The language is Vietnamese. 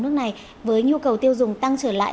nước này với nhu cầu tiêu dùng tăng trở lại